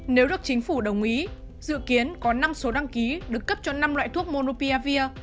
nếu được chính phủ đồng ý dự kiến có năm số đăng ký được cấp cho năm loại thuốc monopiavir